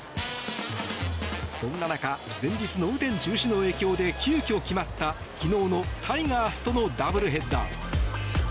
そんな中前日の雨天中止の影響で急きょ決まった昨日のタイガースとのダブルヘッダー。